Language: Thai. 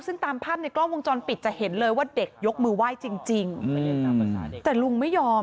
ซึ่งตามภาพในกล้อมวงจรปิดจะเห็นเลยว่าเด็กยกมือไหว้จริง